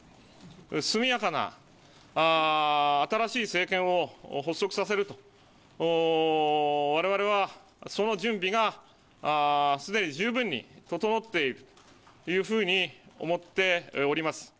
速やかな新しい政権を発足させると、われわれはその準備がすでに十分に整っているというふうに思っております。